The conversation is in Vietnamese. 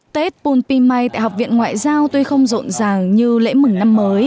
tết bum pimay tại học viện ngoại giao tuy không rộn ràng như lễ mừng năm mới